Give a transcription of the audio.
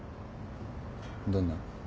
どんな？